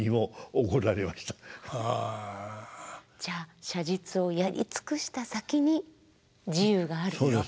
じゃあ写実をやり尽くした先に自由があると。